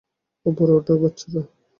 উপরে উঠো বাচ্চারা।